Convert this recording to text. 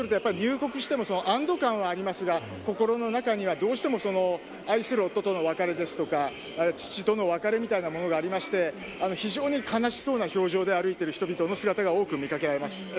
そうすると入国しても安堵感はありますが心の中には、どうしても愛する夫との別れですとか父との別れみたいなものがありまして非常に悲しそうな表情で歩いている人々の姿が多く見かけられます。